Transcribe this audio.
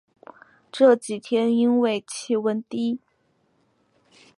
这几天因为气温低